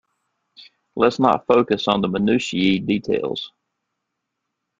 Let's not focus on the Minutiae details.